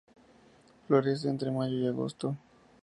Florece entre mayo y agosto.